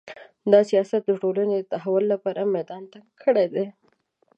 دا سیاست د ټولنې د تحول لپاره میدان تنګ کړی دی